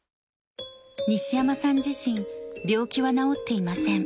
西山さん自身病気は治っていません。